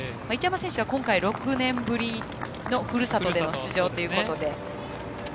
一山選手は今回６年ぶりのふるさとでの出場ということで。